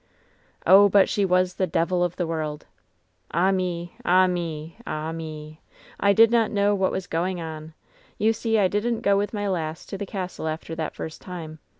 "Oh, but she was the devil of the world I "Ah me ! ah me ! ah me ! I did not know what was going on. You see, I didn't go with my lass to the castle after that first time.